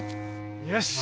よし。